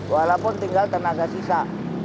walaupun tinggal tenaga sisa